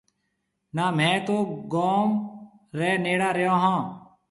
نا مهيَ تو گوم ريَ نيڙا رهيو هون۔